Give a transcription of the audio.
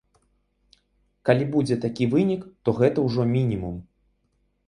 Калі будзе такі вынік, то гэта ўжо мінімум.